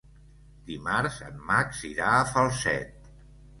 Dimarts en Max irà a Falset.